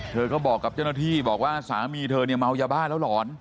เธอก็บอกกับเจ้าหน้าที่บอกว่าสามีเธอเนี่ยเมายาบ้าแล้วหลอน